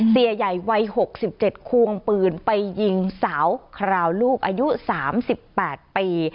เสียใหญ่วัย๖๗ควงปืนไปยิงสาวคราวลูกอายุ๓๘ปี